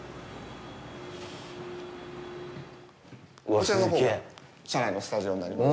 こちらのほうが社内のスタジオになります。